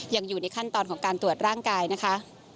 ยังอยู่ในขั้นตอนของการตรวจร่างกายนะคะ